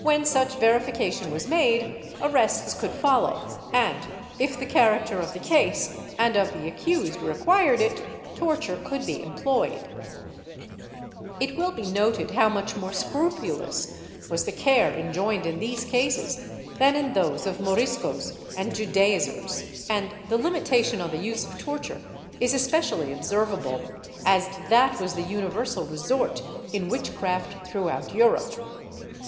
When such verification was made, arrests could follow and, if the character of the case and of the accused required it, torture could be employed,^ It will be noted how much more scrupulous was the care enjoined in these cases than in those of Moriscos and Judaizers, and the limitation on the use of torture is especially observable, as that was the universal resort in witchcraft throughout Europe.